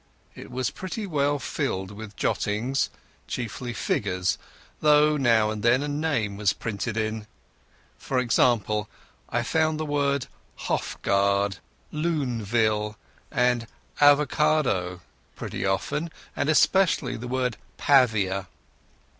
It was pretty well filled with jottings, chiefly figures, though now and then a name was printed in. For example, I found the words "Hofgaard", "Luneville", and "Avocado" pretty often, and especially the word "Pavia".